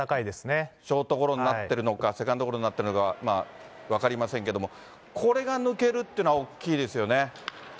ショートゴロになってるのか、セカンドゴロになってるのか、まあ、分かりませんけれども、これが抜けるというのは大きいですよね。